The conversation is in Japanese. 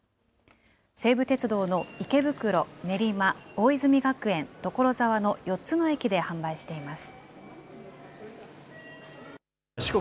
西武鉄道の池袋、練馬、大泉学園、所沢の４つの駅で販売しています。